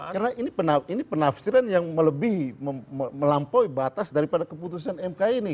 karena ini penafsiran yang melampaui batas daripada keputusan mk ini